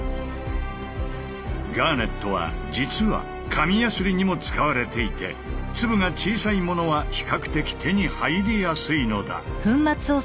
ガーネットは実は紙やすりにも使われていて粒が小さいものは比較的手に入りやすいのだ。